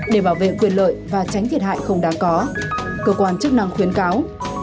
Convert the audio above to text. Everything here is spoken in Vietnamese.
để bảo vệ quyền lợi và tránh thiệt hại không đáng có cơ quan chức năng khuyến cáo